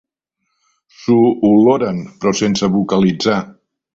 S'ho oloren, però sense vocalitzar.